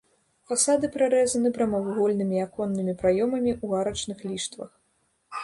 Фасады прарэзаны прамавугольнымі аконнымі праёмамі ў арачных ліштвах.